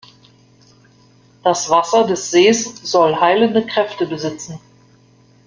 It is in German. Das Wasser des Sees soll heilende Kräfte besitzen.